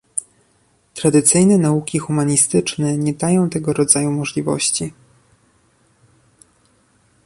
Tradycyjne nauki humanistyczne nie dają tego rodzaju możliwości